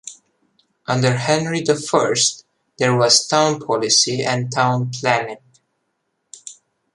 Under Henry the First, there was town policy and town planning.